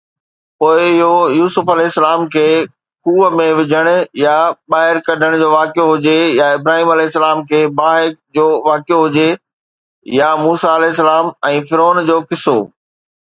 پوءِ اهو يوسف (ع) کي کوهه ۾ وجهڻ يا ٻاهر ڪڍڻ جو واقعو هجي يا ابراهيم (ع) جي باهه جو واقعو هجي يا موسيٰ (ع) ۽ فرعون جو قصو.